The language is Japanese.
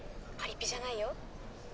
「パリピじゃないよ」